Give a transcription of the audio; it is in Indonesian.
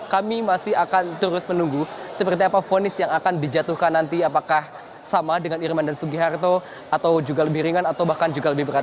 kami masih akan terus menunggu seperti apa fonis yang akan dijatuhkan nanti apakah sama dengan irman dan sugiharto atau juga lebih ringan atau bahkan juga lebih berat